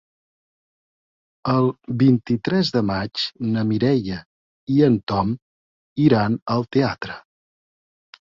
El vint-i-tres de maig na Mireia i en Tom iran al teatre.